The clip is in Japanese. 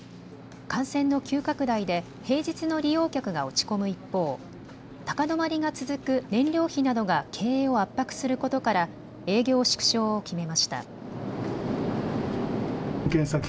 感染の急拡大で平日の利用客が落ち込む一方、高止まりが続く燃料費などが経営を圧迫することから営業縮小を決めました。